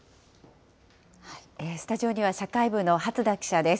スタジオには社会部の初田記者です。